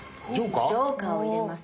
ジョーカーを入れます。